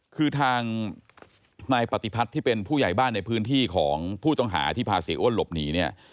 คือทางนายปฏิพัฒน์ที่เป็นผู้ใหญ่บ้านในพื้นที่ของผู้ต้องหาที่พาเสียอ้วนหลบหนีเนี่ย